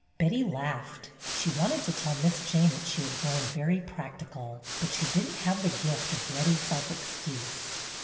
Betty laughed. She wanted to tell Miss Jane that she had grown very practical, but she did n't have the gift of ready self excuse.